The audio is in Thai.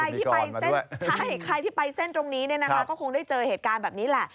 โอ้โหใครที่ไปเส้นตรงนี้เนี่ยนะคะก็คงได้เจอเหตุการณ์แบบนี้แหละ